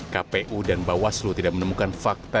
kpu dan bawaslu tidak menemukan fakta